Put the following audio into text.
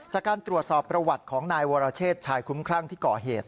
จากการตรวจสอบประวัติของนายวรเชษชายคุ้มคลั่งที่ก่อเหตุ